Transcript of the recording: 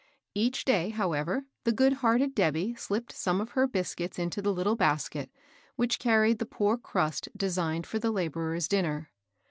Each day, however, the good hearted Debby slipped some of her biscuits into the little basket which carried the poor crust designed for the laborer's dinner.